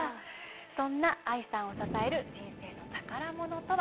そんなＡＩさんを支える人生の宝ものとは。